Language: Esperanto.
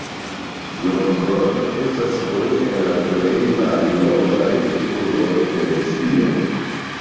Novgorodo estas unu el la plej malnovaj urboj de Rusio.